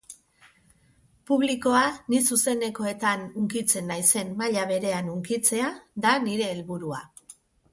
Publikoa ni zuzenekoetan hunkitzen naizen maila berean hunkitzea da nire helburua.